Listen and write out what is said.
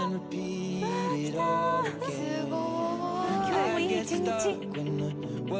羽田：今日も、いい一日。